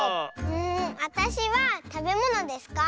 わたしはたべものですか？